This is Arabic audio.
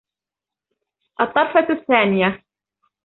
الطرفة الثانية